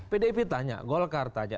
pdip tanya gol kartu aja